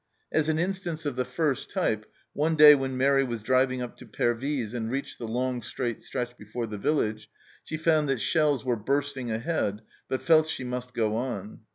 As an instance of the first type, one day when Mair was driving up to Pervyse, and reached the long, straight stretch before the village, she found that shells were bursting ahead, but felt she must go on.